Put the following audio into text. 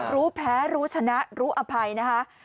รู้แพ้รู้ชนะรู้อภัยนะคะ